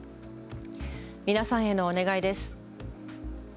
皆さんへのお願いです。